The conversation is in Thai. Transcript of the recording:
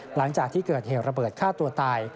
หลังจากที่เกิดเหตุระเบิดฆ่าตัวตาย